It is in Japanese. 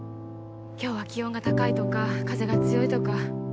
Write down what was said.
今日は気温が高いとか風が強いとか